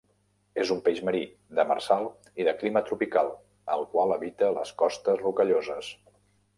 És un peix marí, demersal i de clima tropical, el qual habita les costes rocalloses.